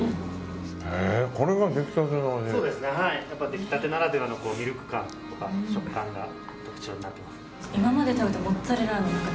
やっぱり出来たてならではのミルク感とか食感が特徴になっていますね。